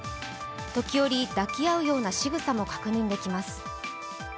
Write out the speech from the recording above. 時折、抱き合うようなしぐさも確認できます。